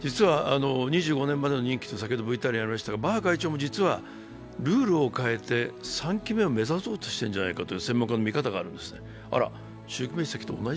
実は２５年までの任期とありましたが、バッハ会長も実はルールを変えて３期目を目指そうしているんじゃないかという専門家の見方があるんです。